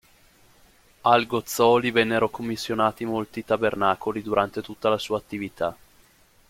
Al Gozzoli vennero commissionati molti tabernacoli durante tutta la sua attività.